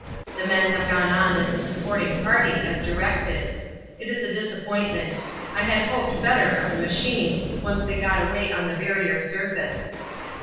The men have gone on as a supporting party, as directed. It is a disappointment. I had hoped better of the machines once they got away on the Barrier Surface.